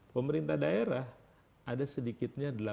pemerintah daerah ada sedikitnya